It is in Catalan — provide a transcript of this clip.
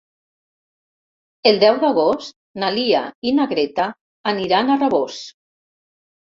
El deu d'agost na Lia i na Greta aniran a Rabós.